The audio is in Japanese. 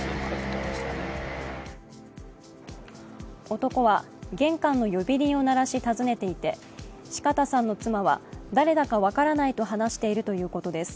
男は玄関の呼び鈴を鳴らし訪ねていて四方さんの妻は誰だか分からないと話しているということです。